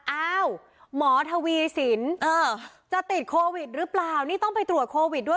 อ้าวหมอทวีสินจะติดโควิดหรือเปล่านี่ต้องไปตรวจโควิดด้วย